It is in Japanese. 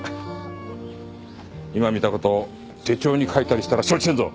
今見た事手帳に書いたりしたら承知せんぞ！